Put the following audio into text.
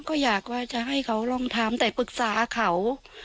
ก็อยากว่าจะให้เขาลองทำแต่ปรึกษาเขา